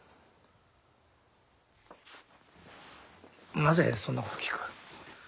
なぜそんなことを聞く？